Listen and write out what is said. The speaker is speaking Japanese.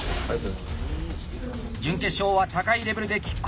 準決勝は高いレベルできっ抗。